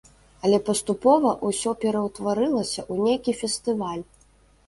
Але паступова ўсё пераўтварылася ў нейкі фестываль.